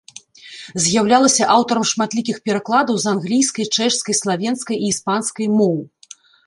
З'яўлялася аўтарам шматлікіх перакладаў з англійскай, чэшскай, славенскай і іспанскай моў.